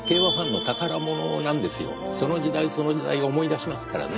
その時代その時代を思い出しますからね。